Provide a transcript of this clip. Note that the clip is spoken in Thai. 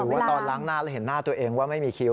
ว่าตอนล้างหน้าแล้วเห็นหน้าตัวเองว่าไม่มีคิ้ว